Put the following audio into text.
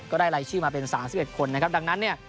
รายชื่อมาเป็น๓๑คนนะครับดังนั้นเนี่ย